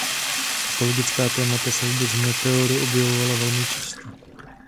Ekologická témata se vůbec v Meteoru objevovala velmi často.